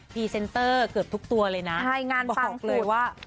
รีเซนเตอร์เกือบทุกตัวเลยนะใช่งานปังเลยว่า